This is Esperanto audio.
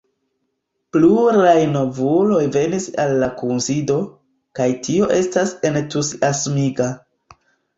Pluraj novuloj venis al la kunsido, kaj tio estas entuziasmiga.